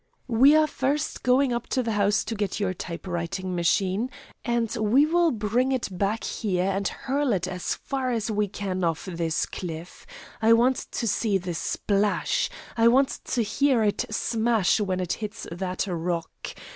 "We are first going up to the house to get your typewriting machine, and we will bring it back here and hurl it as far as we can off this cliff. I want to see the splash! I want to hear it smash when it hits that rock.